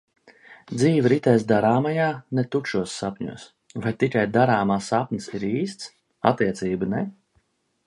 Dzīve ritēs darāmajā, ne tukšos sapņos. Vai tikai darāmā sapnis ir īsts? Attiecību ne?